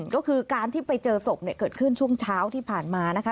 ก็คือการที่ไปเจอศพเนี่ยเกิดขึ้นช่วงเช้าที่ผ่านมานะคะ